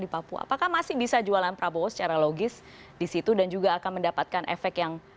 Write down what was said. di papua apakah masih bisa jualan prabowo secara logis disitu dan juga akan mendapatkan efek yang